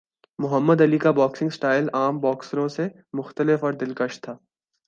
محمد Ali کا boxing style عام باکسروں سے مختلف اور دلکش تھا۔